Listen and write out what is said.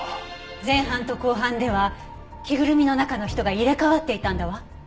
前半と後半では着ぐるみの中の人が入れ替わっていたんだわ。